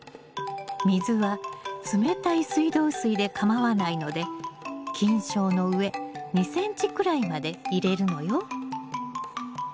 水は冷たい水道水でかまわないので菌床の上２ｃｍくらいまで入れるのよ。